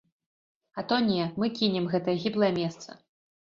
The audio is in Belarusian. А то не, мы кінем гэтае гіблае месца!